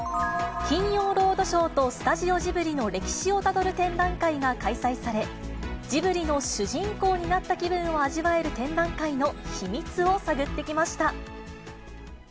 金曜ロードショーとスタジオジブリの歴史をたどる展覧会が開催され、ジブリの主人公になった気分を味わえる展覧会の秘密を探ってきました。